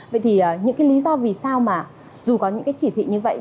vậy thì những cái lý do vì sao mà dù có những cái chỉ thị như vậy